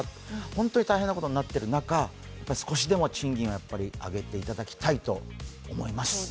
本当に大変なことになっている中、少しでも賃金を上げていただきたいと思います。